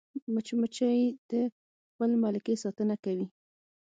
مچمچۍ د خپل ملکې ساتنه کوي